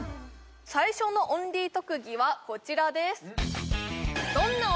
最初のオンリー特技はこちらですおっ！